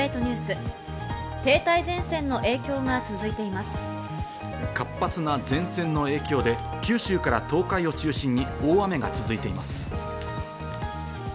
活発な前線の影響で、九州から東海を中心に大雨が続いています。